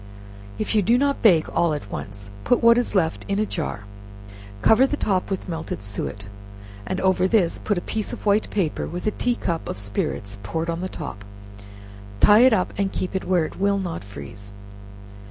If you do not bake all at once, put what is left in a jar, cover the top with melted suet, and over this put a piece of white paper, with a tea cup of spirits poured on the top; tie it up and keep it where it will not freeze.